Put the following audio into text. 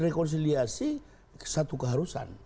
rekonciliasi satu keharusan